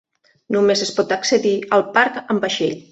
Només es pot accedir al parc en vaixell.